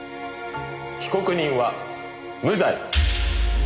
被告人は無罪。